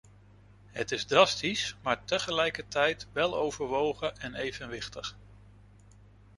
Het is drastisch, maar tegelijkertijd weloverwogen en evenwichtig.